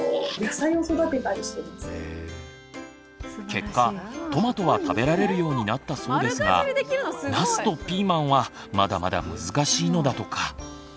結果トマトは食べられるようになったそうですがなすとピーマンはまだまだ難しいのだとか。